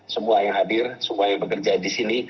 semua yang hadir semua yang bekerja di sini